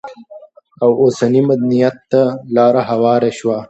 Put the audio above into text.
او اوسني مدنيت ته لار هواره شوه؛